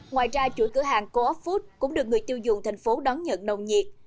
ngoài ra chuỗi cửa hàng co op food cũng được người tiêu dùng thành phố đón nhận nồng nhiệt